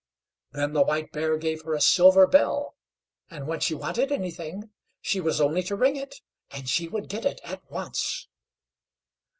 Then the White Bear gave her a silver bell; and when she wanted anything, she was only to ring it, and she would get it at once.